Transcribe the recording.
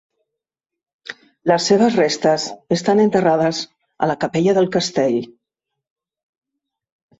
Les seves restes estan enterrades a la capella del castell.